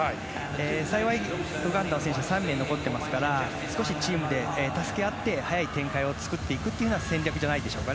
幸い、ウガンダの選手は３名残っていますから少しチームで助け合って速い展開を作っていく戦略じゃないでしょうか。